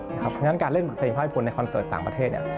เพราะฉะนั้นการเล่นบทเพลงภาพให้พลในคอนเสิร์ตต่างประเทศ